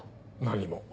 何も。